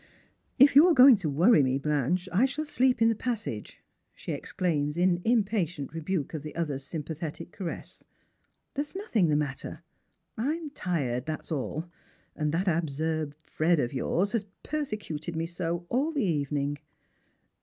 " If you ai e going to worry me, Blanche, I shall sleep in the Stranc/ers and Pilgrims, 28 passage," she exclaims in impatient rebuke of the other's sympa thetic caress. " There's nothing the matter. I'm tired, that's all, and that absurd Fred of yours has persecuted me so all the evening."